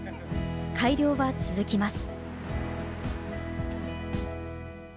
改良は続きます。